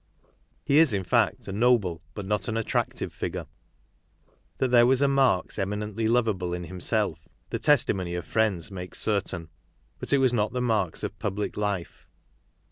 He is, in fact, a noble, but not an attractive figure. That there was a Marx eminently lovable in himself, the testimony of friends makes certain ; but it was not the Marx of public life.